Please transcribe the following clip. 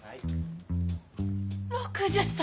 ６０歳！？